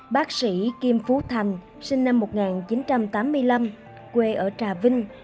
bác sĩ kim phú thành sinh năm một nghìn chín trăm tám mươi năm quê ở trà vinh